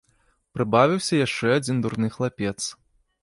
Прыбавіўся яшчэ адзін дурны хлапец.